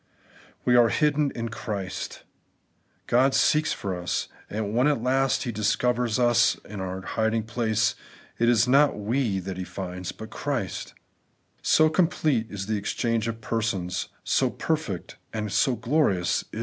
We are hidden in Christ. God seeks for us ; and when at last He discovers us in our hiding place, it is not we that He finds, but Christ ; so complete is the exchange of persons, so perfect and so glorious the disguise.